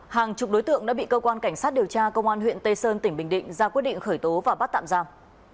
hàng chục đối tượng đã bị cơ quan cảnh sát điều tra công an huyện tây sơn tỉnh bình định ra quyết định khởi tố và bắt tạm giam